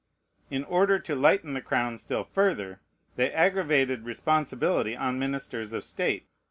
In order to lighten the crown still further, they aggravated responsibility on ministers of state.